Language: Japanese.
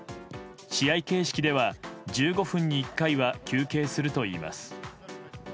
試合形式では１５分に１回は休憩するといいます。